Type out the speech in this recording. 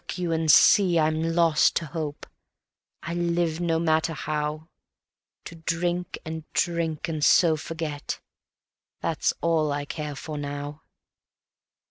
look! you see I'm lost to hope; I live no matter how ... To drink and drink and so forget ... that's all I care for now."